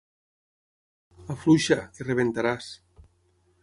Afluixa, que rebentaràs.